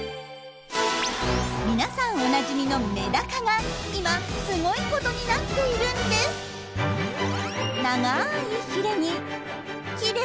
みなさんおなじみのメダカが今すごいことになっているんです！